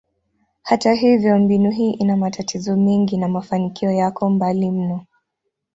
Hata hivyo, mbinu hii ina matatizo mengi na mafanikio yako mbali mno.